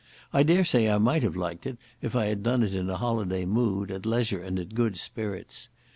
I daresay I might have liked it if I had done it in a holiday mood, at leisure and in good spirits.